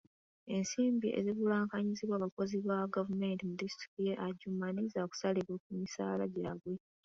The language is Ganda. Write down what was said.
Ensimbi ezibulankanyizibwa abakozi ba gavumenti mu disitulikiti y'e Adjumani za kusalibwa ku misaala gyabwe.